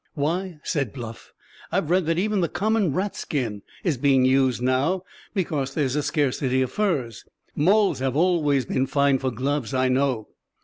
"Why," said Bluff, "I've read that even the common rat skin is being used now, because there's a scarcity of furs. Moles have always been fine for gloves, I know."